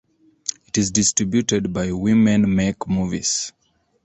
It is distributed by Women Make Movies.